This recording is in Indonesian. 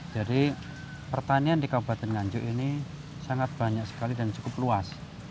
jadi pertanian di kabupaten nganjung ini sangat banyak sekali dan cukup luas